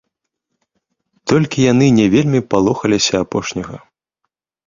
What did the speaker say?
Толькі яны не вельмі палохаліся апошняга.